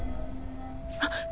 あっ！